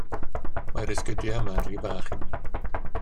Mae'r esgidiau yma'n rhy fach i mi.